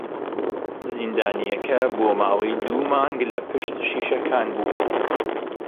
زیندانییەکە بۆ ماوەی دوو مانگ لە پشت شیشەکان بوو.